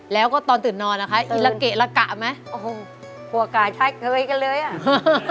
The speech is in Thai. แล้วก็ตอนตื่นนอนนะคะอีละเกะละกะไหมโอ้โหหัวกะใช่เคยกันเลยอ่ะ